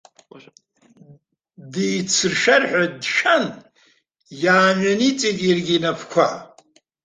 Дицыршәар ҳәа дшәан, иаамҩаниҵеит иаргьы инапқәа.